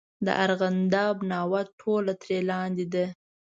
د ارغنداب ناوه ټوله تر لاندې ده.